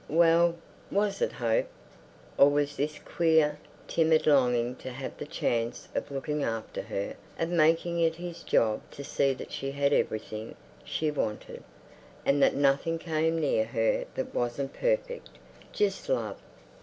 Well, was it hope? Or was this queer, timid longing to have the chance of looking after her, of making it his job to see that she had everything she wanted, and that nothing came near her that wasn't perfect—just love?